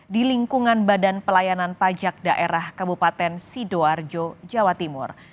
di lingkungan badan pelayanan pajak daerah kabupaten sidoarjo jawa timur